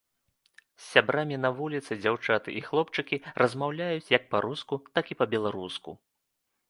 З сябрамі на вуліцы дзяўчаты і хлопчыкі размаўляюць як па-руску, так і па-беларуску.